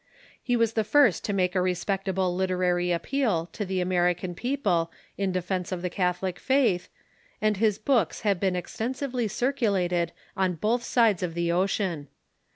He was the first to make a respectable literary appeal to the American people in defence of the Catholic faith, and his books have been extensively circulated on both sides of the ocean.